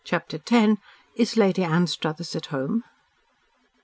CHAPTER X "IS LADY ANSTRUTHERS AT HOME?"